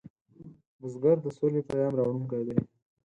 بزګر د سولې پیام راوړونکی دی